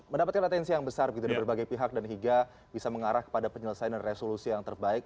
mendapatkan atensi yang besar dari berbagai pihak dan hingga bisa mengarah kepada penyelesaian dan resolusi yang terbaik